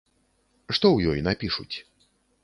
Што ў ёй напішуць?